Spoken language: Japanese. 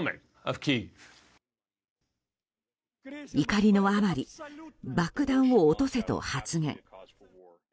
怒りのあまり爆弾を落とせと発言。